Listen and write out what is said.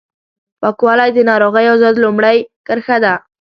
پاکوالی د ناروغیو ضد لومړۍ کرښه ده